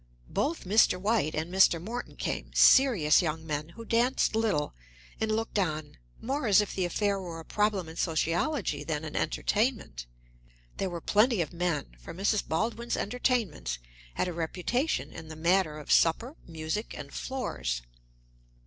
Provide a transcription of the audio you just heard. Both Mr. White and Mr. Morton came, serious young men who danced little, and looked on more as if the affair were a problem in sociology than an entertainment. There were plenty of men, for Mrs. Baldwin's entertainments had a reputation in the matter of supper, music, and floors.